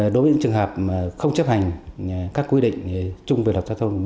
đối với những trường hợp không chấp hành các quy định chung với lhth